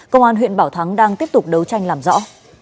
công an huyện bảo thắng đang tiếp tục đấu tranh làm rõ